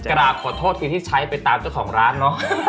กราบขอโทษทีที่ใช้ไปตามเจ้าของร้านเนอะ